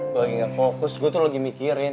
gue lagi gak fokus gue tuh lagi mikirin